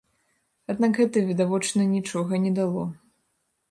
Аднак гэта, відавочна, нічога не дало.